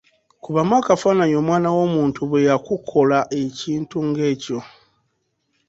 Kubamu akafaananyi omwana w'omuntu bwe yakukola ekintu ng'ekyo!